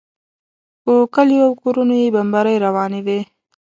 پر کلیو او کورونو یې بمبارۍ روانې وې.